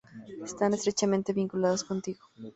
Están estrechamente vinculados contigo.